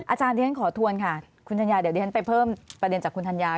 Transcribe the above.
อาจารย์ที่ฉันขอทวนค่ะคุณธัญญาเดี๋ยวดิฉันไปเพิ่มประเด็นจากคุณธัญญา